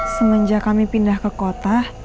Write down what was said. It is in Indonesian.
semenjak kami pindah ke kota